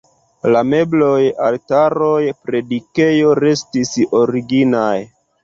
La mebloj, altaroj, predikejo restis originaj.